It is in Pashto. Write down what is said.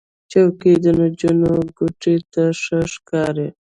چوکۍ د نجونو کوټې ته ښه ښکاري.